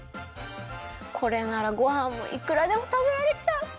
これならごはんがいくらでもたべられちゃう！